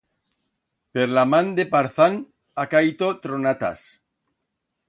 Per la man de Parzán ha caito tronatas.